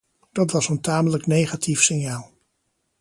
Dat was een tamelijk negatief signaal.